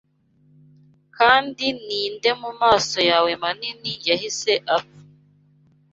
Kandi ninde mumaso yawe manini yahise apfa